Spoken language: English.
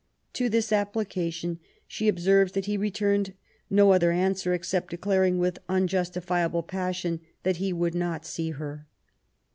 To this application she observes that he returned no other answer^ except declaring, with unjustifiable passion, that he would not see her.